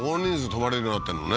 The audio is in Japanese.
泊まれるようになってんのね